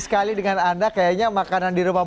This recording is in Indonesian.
sekali dengan anda kayaknya makanan di rumah